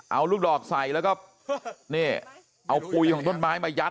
เอาลูกดอกใส่แล้วก็นี่เอาปุ๋ยของต้นไม้มายัด